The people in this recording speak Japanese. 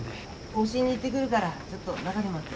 往診に行ってくるからちょっと中で待ってて。